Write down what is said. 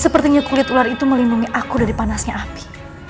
sepertinya kulit ular itu melindungi aku dari panasnya api